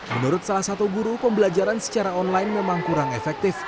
menurut salah satu guru pembelajaran secara online memang kurang efektif